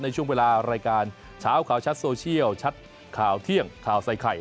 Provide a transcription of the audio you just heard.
ในช่วงเวลารายการเช้าข่าวชัดโซเชียลชัดข่าวเที่ยงข่าวใส่ไข่